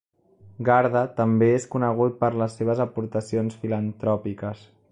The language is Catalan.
Gharda també és conegut per les seves aportacions filantròpiques.